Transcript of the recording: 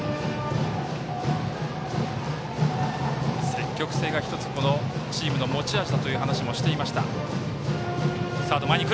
積極性が、１つこのチームの持ち味だという話もしていました。